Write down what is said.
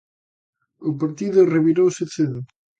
O partido revirouse cedo.